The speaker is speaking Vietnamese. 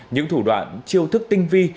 những thủ đoạn chiêu thức tinh vi